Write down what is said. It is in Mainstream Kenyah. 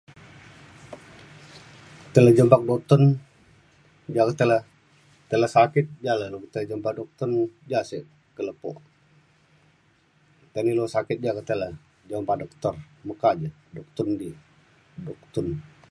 tai le jumpa duktun ja le tai le te le sakit ja le tai jumpa duktun ja sek ke lepo tai ne ilu sakit ja ke tai le jumpa doktor meka di duktun di duktun